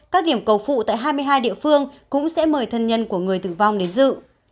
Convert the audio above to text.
các điểm cầu phụ tại hai mươi hai địa phương cũng sẽ mời thân nhân của người tử vong đến dự